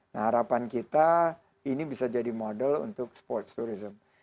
nah harapan kita ini bisa jadi model untuk sports tourism